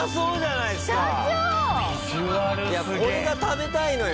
いやこれが食べたいのよ。